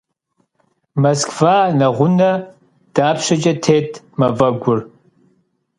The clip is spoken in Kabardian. Moskva neğune dapşeç'e têt maf'egur?